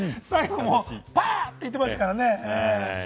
最後もパワー！って言ってましたからね。